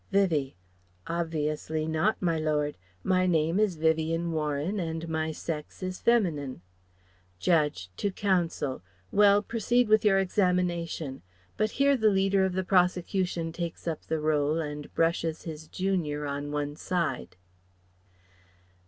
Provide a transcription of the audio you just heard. Vivie: "Obviously not, my Lord. My name is Vivien Warren and my sex is feminine." Judge, to Counsel: "Well, proceed with your examination " (But here the Leader of the prosecution takes up the rôle and brushes his junior on one side).